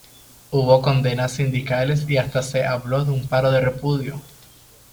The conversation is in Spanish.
Hubo condenas sindicales y hasta se habló de un paro de repudio.